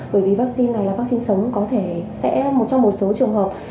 bởi vì vaccine này là vaccine sống có thể sẽ một trong một số trường hợp